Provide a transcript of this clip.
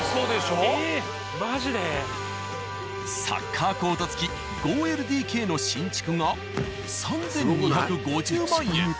サッカーコートつき５ＬＤＫの新築が３２５０万円。